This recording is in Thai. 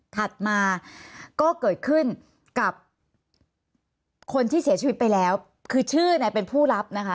ถัดมาก็เกิดขึ้นกับคนที่เสียชีวิตไปแล้วคือชื่อเนี่ยเป็นผู้รับนะคะ